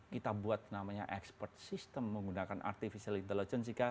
kita buat namanya expert system menggunakan artificial intelligence